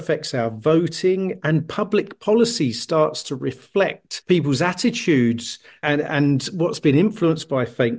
sebagai politik yang mencoba untuk menyebabkan perangkat